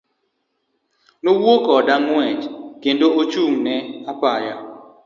Nowuok koda ng'uech kendo ochung' e apaya.